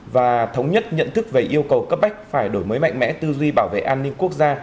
và thống nhất nhận thức về yêu cầu cấp bách phải đổi mới mạnh mẽ tư duy bảo vệ an ninh quốc gia